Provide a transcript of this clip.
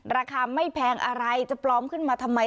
ราคาไม่แพงอะไรจะปลอมขึ้นมาทำไม